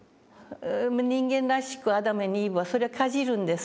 人間らしくアダムにイブはそれをかじるんですね